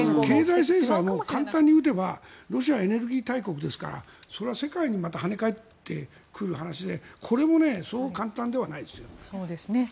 経済制裁も簡単に打てばロシアはエネルギー大国ですからそれは世界に跳ね返ってくる話でそう簡単ではないです。